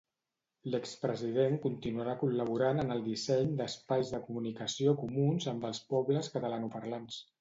L'expresident continuarà col·laborant en el disseny d'espais de comunicació comuns amb els pobles catalanoparlants.